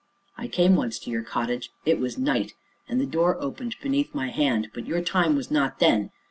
I came once to your cottage; it was night, and the door opened beneath my hand but your time was not then.